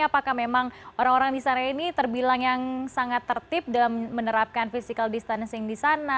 apakah memang orang orang di sana ini terbilang yang sangat tertib dalam menerapkan physical distancing di sana